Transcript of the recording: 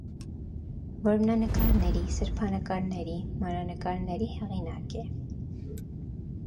Որմնանկարների, սրբապատկերների, մանրանկարների հեղինակ է։